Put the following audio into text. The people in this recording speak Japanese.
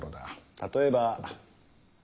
例えば。